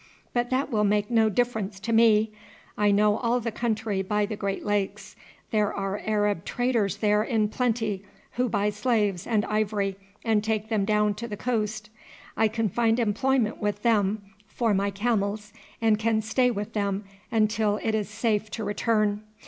But that will make no difference to me. I know all the country by the Great Lakes. There are Arab traders there in plenty who buy slaves and ivory and take them down to the coast. I can find employment with them for my camels, and can stay with them until it is safe to return.